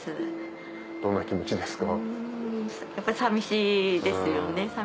どんな気持ちですか？